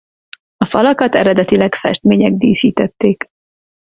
A falakat eredetileg festmények díszítették.